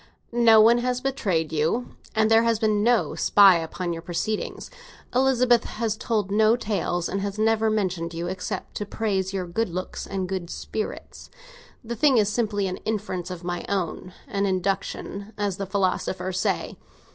No one has betrayed you, and there has been no spy upon your proceedings. Elizabeth has told no tales, and has never mentioned you except to praise your good looks and good spirits. The thing is simply an inference of my own—an induction, as the philosophers say.